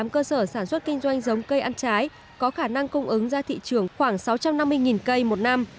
một mươi cơ sở sản xuất kinh doanh giống cây ăn trái có khả năng cung ứng ra thị trường khoảng sáu trăm năm mươi cây một năm